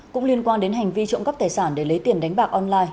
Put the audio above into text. cũng liên quan đến hành vi trộm cắp tài sản để lấy tiền đánh bạc online